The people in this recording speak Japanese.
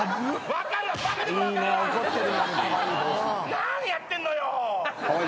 何やってんのよ